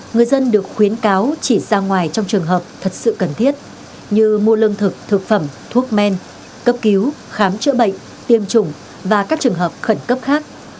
người dân được khuyến cáo chỉ ra ngoài trong trường hợp thật sự cần thiết như mua lương thực thực phẩm thuốc men cấp cứu khám chữa bệnh tiêm chủng và các trường hợp khẩn cấp khác